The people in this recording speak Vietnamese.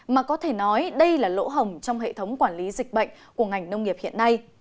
mà có thể nói đây là lỗ hồng trong hệ thống quản lý dịch bệnh của ngành nông nghiệp hiện nay